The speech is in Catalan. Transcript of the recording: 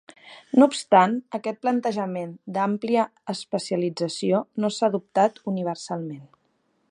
No obstant, aquest plantejament "d'àmplia especialització" no s'ha adoptat universalment.